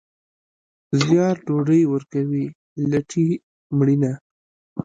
زیار ډوډۍ ورکوي، لټي مړینه.